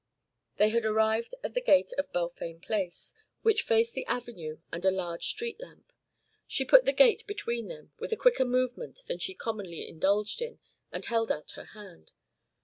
They had arrived at the gate of the Balfame Place, which faced the avenue and a large street lamp. She put the gate between them with a quicker movement than she commonly indulged in and held out her hand.